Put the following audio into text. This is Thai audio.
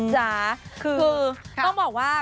จ๋าคือต้องบอกว่า